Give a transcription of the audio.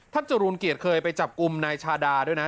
ท่านจรูนเกียจเคยไปจับกลุ่มในชาดาด้วยนะ